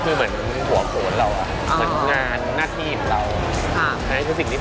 หรือว่าอะไรดิ